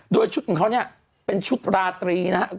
โดยชุดของเขาเนี่ยเป็นชุดราตรีนะครับ